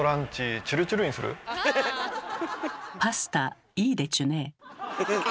パスタいいでちゅねえ。